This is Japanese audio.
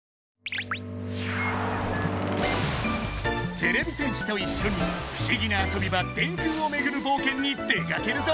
てれび戦士といっしょに不思議な遊び場電空をめぐる冒険に出かけるぞ！